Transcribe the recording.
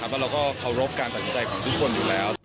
แต่เราก็เคารพกันตัวใจของทุกคนอยู่แล้ว